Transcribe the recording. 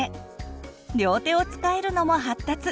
両手を使えるのも発達！